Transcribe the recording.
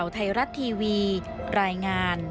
จริง